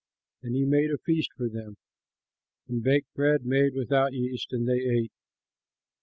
And he made a feast for them and baked bread made without yeast, and they ate.